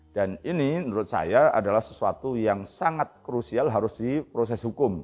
dan ini menurut saya adalah sesuatu yang sangat krusial harus di proses hukum